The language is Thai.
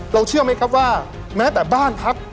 เชื่อไหมครับว่าแม้แต่บ้านพัก